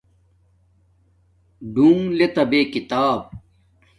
ڈون لتا بے کتاب